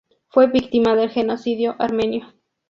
Fue víctima del genocidio armenio.